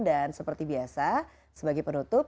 dan seperti biasa sebagai penutup